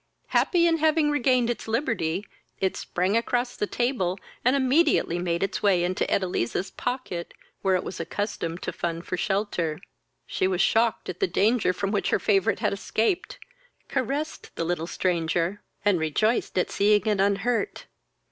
Happy in having regained its liberty, it sprang across the table, and immediately made its way into Edeliza's pocket, where it was accustomed to fun for shelter. She was shocked at the danger from which her favourite had escaped, caressed the little stranger, and rejoiced at seeing it unhurt.